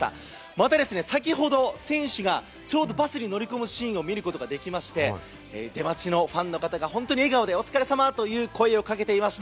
また先ほど、選手がバスに乗り込むシーンを見ることができまして、出待ちのファンの方たちが笑顔でお疲れさま！と声をかけていました。